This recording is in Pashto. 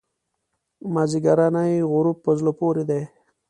مازیګرنی غروب په زړه پورې دی.